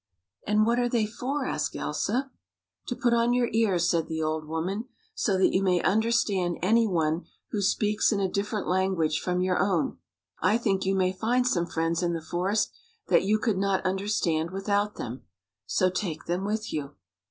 " And what are they for? " asked Elsa. " To put on your ears," said the old woman, " so that you may understand any one who speaks in a. different language from your own. I think you may find some friends in the forest that you could not understand without them. So take them with you."